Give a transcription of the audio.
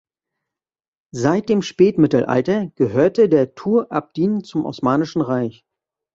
Seit dem Spätmittelalter gehörte der Tur Abdin zum Osmanischen Reich.